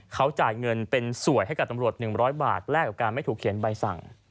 เขาจ่ายเงินเป็นสวยให้กับตำรวจ๑๐๐บาทแลกกับการไม่ถูกเขียนใบสั่ง